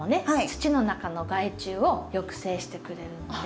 土の中の害虫を抑制してくれるので。